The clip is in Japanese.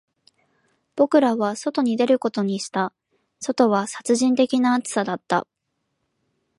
僕らは外に出ることにした、外は殺人的な暑さだった